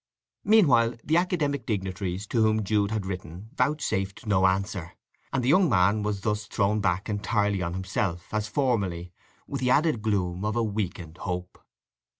Meanwhile the academic dignitaries to whom Jude had written vouchsafed no answer, and the young man was thus thrown back entirely on himself, as formerly, with the added gloom of a weakened hope.